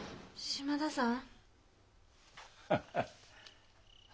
島田さん？